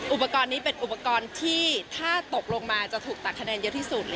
อุปกรณ์นี้เป็นอุปกรณ์ที่ถ้าตกลงมาจะถูกตัดคะแนนเยอะที่สุด